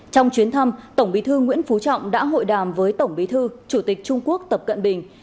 trong chuyến thăm tổng bí thư nguyễn phú trọng đã hội đàm với tổng bí thư chủ tịch trung quốc tập cận bình